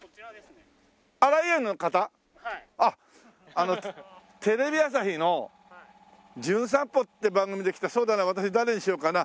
あのテレビ朝日の『じゅん散歩』って番組で来たそうだな私誰にしようかな？